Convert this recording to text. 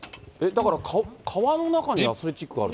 だから川の中にアスレチックがあるの？